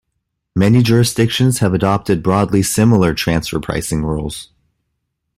Many jurisdictions have adopted broadly similar transfer pricing rules.